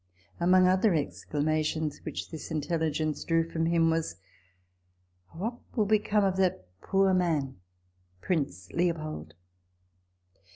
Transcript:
Among other exclamations which this intelligence drew from him, was, " Oh, what will become of that poor man (Prince Leo pold)